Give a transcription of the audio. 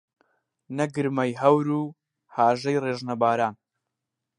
نە گرمەی هەور و هاژەی ڕێژنە باران